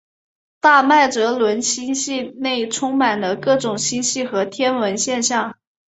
大麦哲伦星系内充满了各种星体和天文现象。